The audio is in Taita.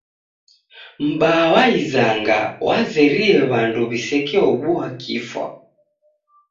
M'baa wa isanga wazerie w'andu w'isekeobua kifwa.